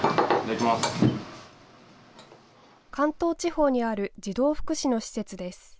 関東地方にある児童福祉の施設です。